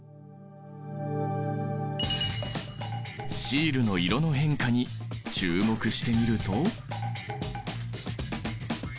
シールの色の変化に注目してみると？